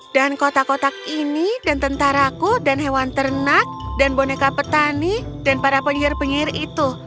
dan kotak kotak ini dan tentaraku dan hewan ternak dan boneka petani dan para penyihir penyihir itu